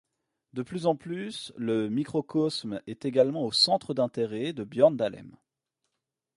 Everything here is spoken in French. De plus en plus, le microcosme est également au centre d'intérêt de Björn Dahlem.